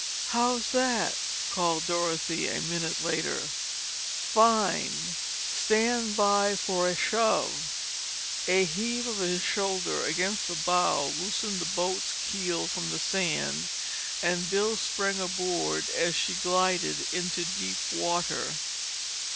"How's that?" called Dorothy a minute later. "Fine! Stand by for a shove!" A heave of his shoulder against the bow loosened the boat's keel from the sand and Bill sprang aboard as she glided into deep water.